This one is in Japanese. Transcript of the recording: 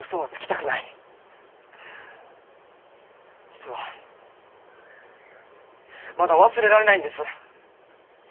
実はまだ忘れられないんです。